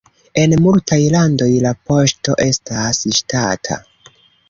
En multaj landoj la poŝto estas ŝtata.